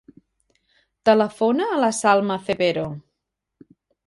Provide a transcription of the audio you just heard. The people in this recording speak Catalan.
Telefona a la Salma Cepero.